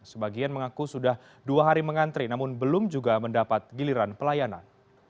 sebagian mengaku sudah dua hari mengantri namun belum juga mendapat giliran pelayanan